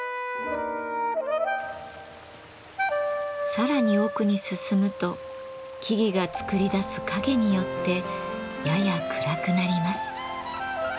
さらに奥に進むと木々が作り出す陰によってやや暗くなります。